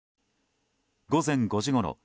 午前５時ごろ